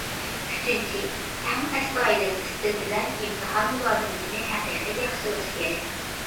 ئۈچىنچى، ئەڭ ئەستايىدىل ئىستىل بىلەن ئىمتىھان مۇلازىمىتىنى ھەقىقىي ياخشىلاش كېرەك.